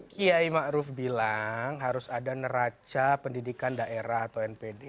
kiai ma'ruf bilang harus ada neraca pendidikan daerah atau npd